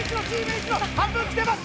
半分来てます！